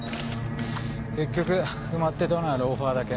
結局埋まってたのはローファーだけ。